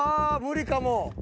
無理かも。